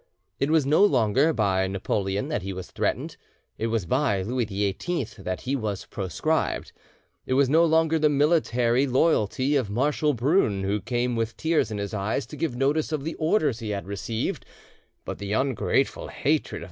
It was no longer by Napoleon that he was threatened, it was by Louis XVIII that he was proscribed; it was no longer the military loyalty of Marshal Brune who came with tears in his eyes to give notice of the orders he had received, but the ungrateful hatred of M.